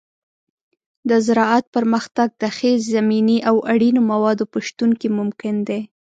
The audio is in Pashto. د زراعت پرمختګ د ښې زمینې او اړین موادو په شتون کې ممکن دی.